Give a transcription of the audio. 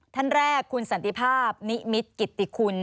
ท่านแรกคุณสันติภาพนิมิตกิติคุณ